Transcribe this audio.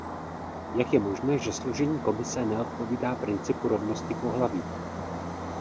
Jak je možné, že složení Komise neodpovídá principu rovnosti pohlaví?